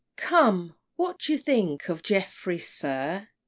Come: what d'ye think of Jeffrey, sir?